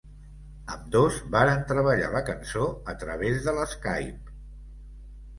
Ambdós varen treballar la cançó a través de l'Skype.